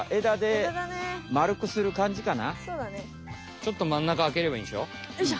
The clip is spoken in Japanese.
ちょっと真ん中あければいいんでしょ？